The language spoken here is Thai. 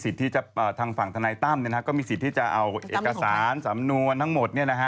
ทางฝั่งธนายตั้มก็มีสิทธิ์ที่จะเอาเอกสารสำนวนทั้งหมด